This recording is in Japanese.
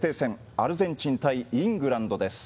アルゼンチン対イングランドです。